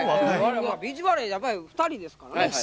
ビーチバレー２人ですからね。